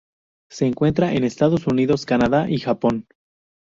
Se encuentra en Estados Unidos, Canadá y Japón.